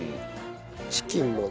チキンも。